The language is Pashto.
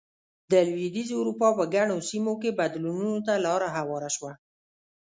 د لوېدیځې اروپا په ګڼو سیمو کې بدلونونو ته لار هواره شوه.